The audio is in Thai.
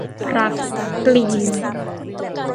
พรรคกรีน